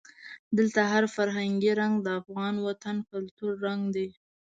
دلته هر فرهنګي رنګ د افغان وطن کلتوري رنګ دی.